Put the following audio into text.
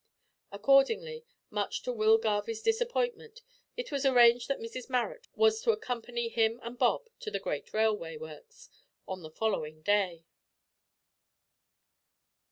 Accordingly, much to Will Garvie's disappointment it was arranged that Mrs Marrot was to accompany him and Bob to the great railway "Works" on the following day.